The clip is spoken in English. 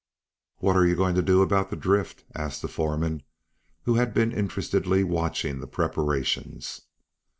"What are you going to do about the drift?" asked the foreman, who had been interestedly watching the preparations.